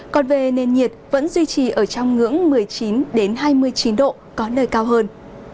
còn về nền nhiệt vẫn duy trì ở trong ngưỡng một mươi chín hai mươi chín độ có nơi cao hơn